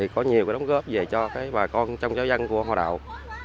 có nhiều đóng góp về cho bà con trong giáo dân của họ đạo